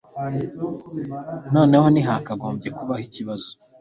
Noneho ntihakagombye kubaho ikibazo